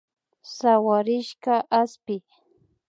Sawarishka aspi